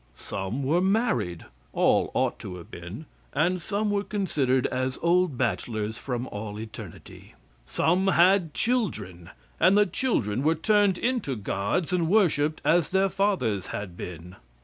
Some were married all ought to have been and some were considered as old bachelors from all eternity. Some had children, and the children were turned into gods and worshiped as their fathers had been.